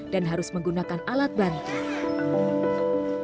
dan harus menggunakan alat bantuan